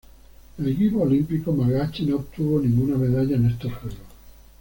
El equipo olímpico malgache no obtuvo ninguna medalla en estos Juegos.